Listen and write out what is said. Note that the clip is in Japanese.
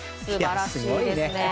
すごいね。